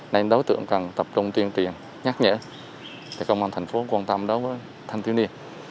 nên đối tượng cần tập trung tuyên tiền nhắc nhở công an thành phố quan tâm đối với thành tư niên